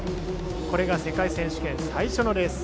これが世界選手権最初のレース。